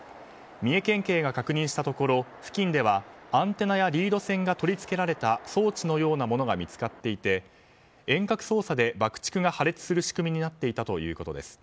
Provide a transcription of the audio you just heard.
三重県警が確認したところ付近ではアンテナやリード線が取り付けられた装置のようなものが見つかっていて遠隔操作で爆竹が破裂する仕組みになっていたということです。